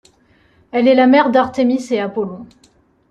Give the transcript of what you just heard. Elle est la mère d'Artémis et Apollon.